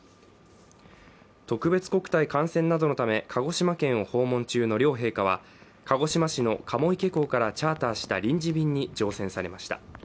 特別国体観戦などのため鹿児島県を訪問中の両陛下は、鹿児島市の鴨池港からチャーターした臨時便に乗船されました。